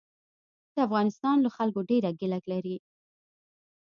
د افغانستان له خلکو ډېره ګیله لري.